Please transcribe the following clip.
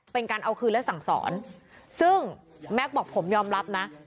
เป็นการเอาคืนและสั่งสอนซึ่งแม็กซ์บอกผมยอมรับนะ